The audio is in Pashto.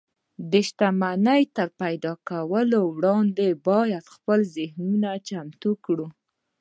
د شتمنۍ تر پيدا کولو وړاندې بايد خپل ذهنونه چمتو کړو.